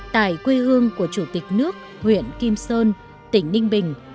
tại quê hương của chủ tịch nước huyện kim sơn tỉnh ninh bình